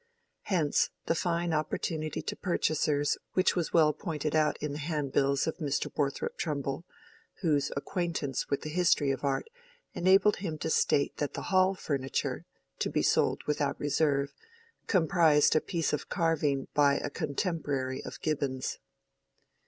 Hence the fine opportunity to purchasers which was well pointed out in the handbills of Mr. Borthrop Trumbull, whose acquaintance with the history of art enabled him to state that the hall furniture, to be sold without reserve, comprised a piece of carving by a contemporary of Gibbons.